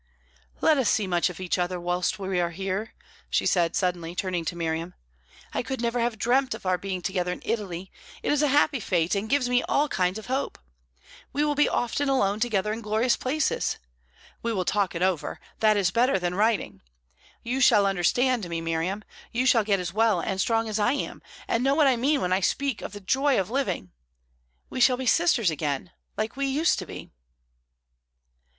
"Let us see much of each other whilst we are here," she said suddenly, turning to Miriam. "I could never have dreamt of our being together in Italy; it is a happy fate, and gives me all kinds of hope. We will be often alone together in glorious places. We will talk it over; that is better than writing. You shall understand me, Miriam. You shall get as well and strong as I am, and know what I mean when I speak of the joy of living. We shall be sisters again, like we used to be."